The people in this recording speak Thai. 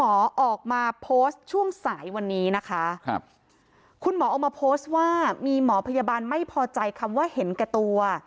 ออกมาโพสต์ช่วงสายวันนี้นะคะครับคุณหมอออกมาโพสต์ว่ามีหมอพยาบาลไม่พอใจคำว่าเห็นแก่ตัว